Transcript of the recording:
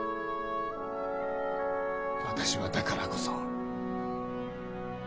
私はだからこそ。